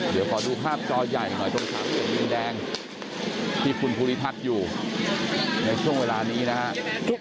เดี๋ยวขอดูภาพจอใหญ่หน่อยตรงสามเข็มดินแดงที่คุณภูริพัฒน์อยู่ในช่วงเวลานี้นะครับ